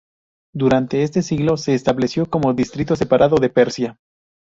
Durante este siglo se estableció como distrito separado de Persia.